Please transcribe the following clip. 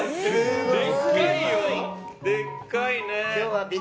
でっかいね。